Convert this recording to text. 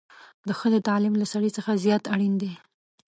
د ښځې تعليم له سړي څخه زيات اړين دی